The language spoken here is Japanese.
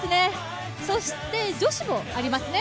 そして女子もありますね。